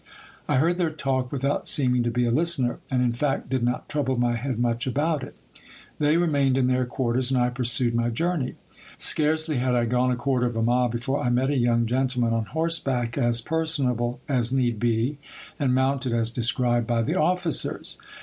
I heard their talk without seeming to be a listener ; and, in fact, did not trouble my head much about it. They remained in their quarters, and I pursued my journey. Scarcely had I gone a quarter of a mile, before I met a young gentleman on horseback, as personable as need be, and mounted as described by the officers.